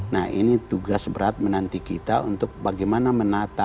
nah ini tugas berat menanti kita untuk bagaimana menata